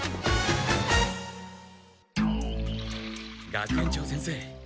学園長先生